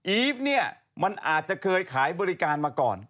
ีฟเนี่ยมันอาจจะเคยขายบริการมาก่อน